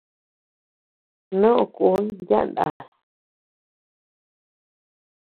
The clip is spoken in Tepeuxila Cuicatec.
Noʼö kun yaʼa naas.